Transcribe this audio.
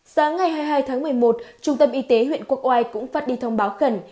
sáng ngày hai mươi hai tháng một mươi một trung tâm y tế huyện quốc oai cũng phát đi thông báo khẩn